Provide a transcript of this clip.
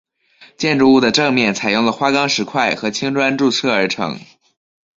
建筑物的正面采用了花岗石块和青砖筑砌而成。